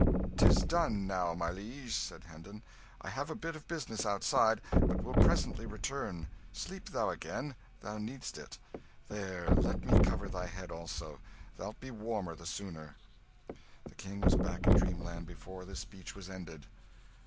"'Tis done, now, my liege," said Hendon; "I have a bit of business outside, but will presently return; sleep thou again thou needest it. There let me cover thy head also thou'lt be warm the sooner." The King was back in dreamland before this speech was ended.